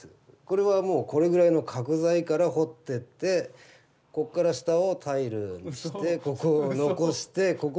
これはもうこれぐらいの角材から彫ってってここから下をタイルにしてここを残してここリンゴにしてある。